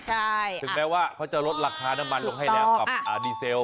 ถึงแม้ว่าเขาจะลดราคาน้ำมันลงให้แล้วกับดีเซล